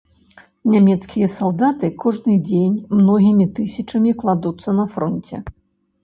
Нямецкія салдаты кожны дзень многімі тысячамі кладуцца на фронце.